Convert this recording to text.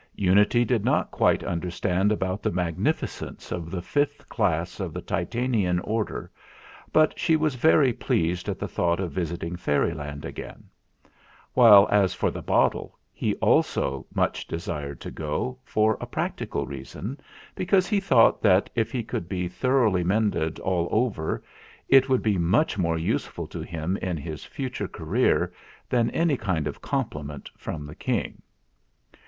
Unity did not quite understand about the magnificence of the fifth class of the Titanian Order, but she was very pleased at the thought of visiting Fairyland again; while as for the bottle, he also much desired to go, for a practical reason, because he thought that if he could be thoroughly mended all over, it would be much more useful to him in his future career than any kind compliment from the King.